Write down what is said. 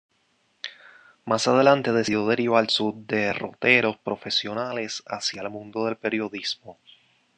Más adelante, decidió derivar sus derroteros profesionales hacia el mundo del Periodismo.